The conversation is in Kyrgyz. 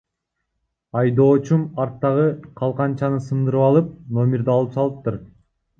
Айдоочум арттагы калканчаны сындырып алып, номерди алып салыптыр.